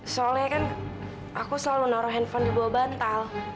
soalnya kan aku selalu naruh handphone di bawah bantal